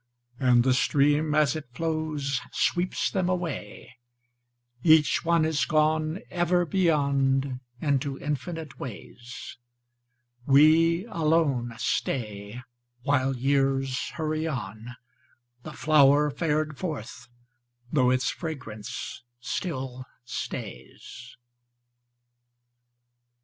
And the stream as it flows Sweeps them away, Each one is gone Ever beyond into infinite ways. We alone stay While years hurry on, The flower fared forth, though its fragrance still stays.